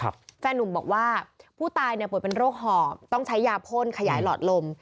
แฟนนุ่มบอกว่าผู้ตายเนี่ยป่วยเป็นโรคหอบต้องใช้ยาพ่นขยายหลอดลม